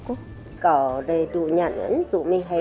cnaden nhà hàng hả